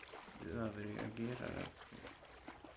Du överreagerar, älskling.